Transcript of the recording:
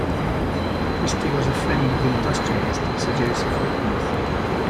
Christie was a friend of the industrialist Sir Joseph Whitworth.